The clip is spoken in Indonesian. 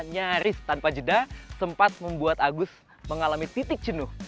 nyaris tanpa jeda sempat membuat agus mengalami titik jenuh